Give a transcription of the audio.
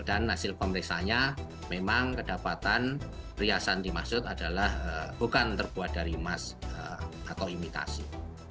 dan hasil pemeriksaannya memang kedapatan perhiasan dimaksud adalah bukan terbuat dari emas atau imitasi